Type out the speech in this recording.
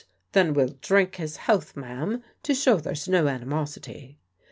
Then we'll drink his health, ma'am, to show there's no animosity."